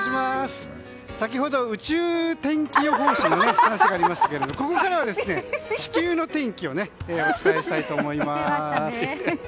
先ほど宇宙天気予報士の話がありましたが、ここからは地球の天気をお伝えしたいと思います。